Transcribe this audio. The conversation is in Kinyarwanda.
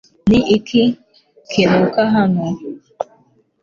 Ni iki kinuka hano?